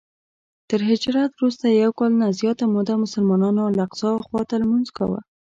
تر هجرت وروسته یو کال نه زیاته موده مسلمانانو الاقصی خواته لمونځ کاوه.